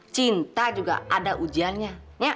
cinta juga ada ujiannya